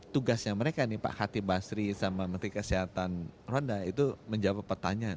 tugasnya mereka nih pak khatib basri sama menteri kesehatan ronda itu menjawab pertanyaan